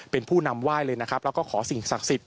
เป็นผู้นำไหว้เลยนะครับแล้วก็ขอสิ่งศักดิ์สิทธิ